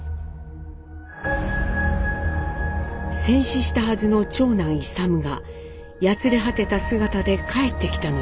戦死したはずの長男勇がやつれ果てた姿で帰ってきたのです。